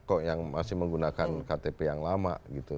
kok yang masih menggunakan ktp yang lama gitu